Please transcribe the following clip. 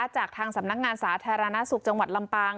จากทางสำนักงานสาธารณสุขจังหวัดลำปาง